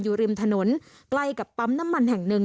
อยู่ริมถนนใกล้กับปั๊มน้ำมันแห่งหนึ่ง